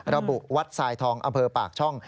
วัดทรายทองอำเภอปากช่อง